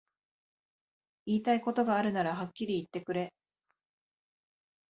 言いたいことがあるならはっきり言ってくれ